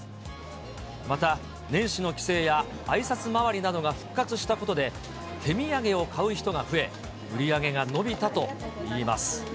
また年始の帰省やあいさつ回りなどが復活したことで、手土産を買う人が増え、売り上げが伸びたといいます。